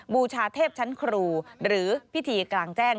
บูชาเทพชั้นครูหรือพิธีกลางแจ้ง